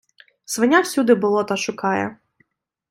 Свиня всюди болота шукає.